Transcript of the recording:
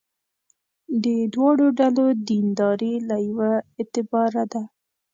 د دواړو ډلو دینداري له یوه اعتباره ده.